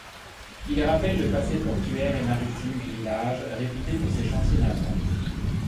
Il rappelle le passé portuaire et maritime du village, réputé pour ses chantiers navals.